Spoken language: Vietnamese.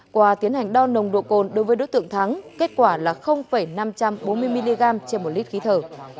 qua tiến hành đo nồng độ cồn đối với đối tượng thắng kết quả là năm trăm bốn mươi mg trên một lít khí thở